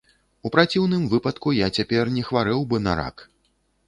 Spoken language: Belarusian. У праціўным выпадку я цяпер не хварэў бы на рак.